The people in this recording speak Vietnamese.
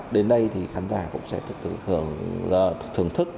đến đây thì khán giả cũng sẽ thưởng thức